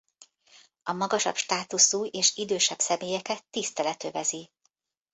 A magasabb státuszú és idősebb személyeket tisztelet övezi.